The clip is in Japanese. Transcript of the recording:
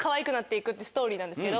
ストーリーなんですけど。